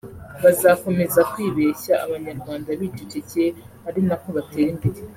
bazakomeza kwibeshya abanyarwanda bicecekeye ari nako batera imbere